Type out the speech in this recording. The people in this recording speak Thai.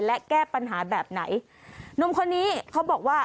และแก้ปัญหาแบบไหนหนุ่มคนนี้เขาบอกว่า